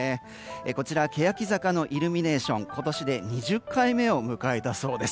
こちら、けやき坂のイルミネーションは今年で２０回目を迎えたそうです。